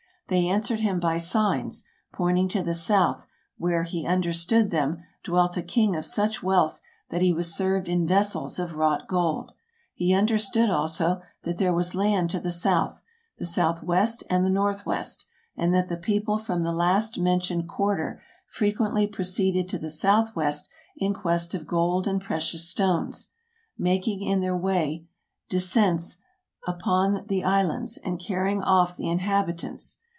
They answered him by signs, pointing to the south, where, he understood them, dwelt a king of such wealth that he was served in vessels of wrought gold. He understood, also, that there was land to the south, the southwest and the northwest; and that the people from the last mentioned quarter frequently proceeded to the southwest in quest of gold and precious stones, making in their way descents upon the islands, and carrying off the inhabitants.